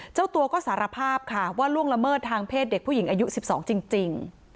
เจ้าตัวก็สารภาพค่ะว่าล่วงละเมิดทางเพศเด็กผู้หญิงอายุ๑๒จริง